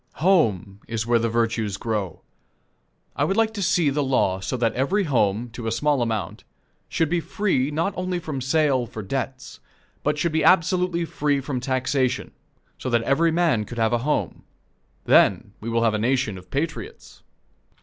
Home is where the virtues grow. I would like to see the law so that every home, to a small amount, should be free not only from sale for debts, but should be absolutely free from taxation, so that every man could have a home. Then we will have a nation of patriots.